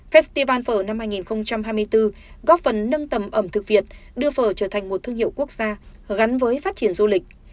festival phở năm hai nghìn hai mươi bốn góp phần nâng tầm ẩm thực việt đưa phở trở thành một thương hiệu quốc gia gắn với phát triển du lịch